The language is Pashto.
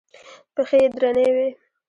پښې يې درنې وې.